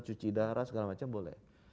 cuci darah segala macam boleh